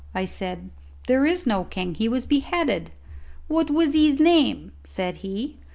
I said, "There is no king; he was beheaded." "What was his name?" said he.